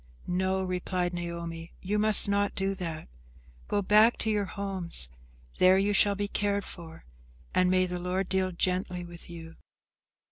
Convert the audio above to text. "No," replied Naomi, "you must not do that. Go back to your homes, there you shall be cared for, and may the Lord deal gently with you."